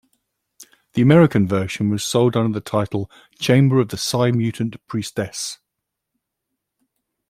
The American version was sold under the title Chamber of the Sci-Mutant Priestess.